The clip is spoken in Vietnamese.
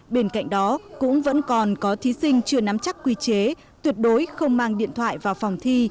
bên cạnh đó cũng vẫn còn có thí sinh chưa nắm chắc quy chế tuyệt đối không mang điện thoại vào phòng thi